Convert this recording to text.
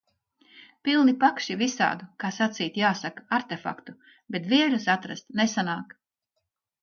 Pilni pakši visādu, kā sacīt jāsaka, artefaktu, bet dvieļus atrast nesanāk!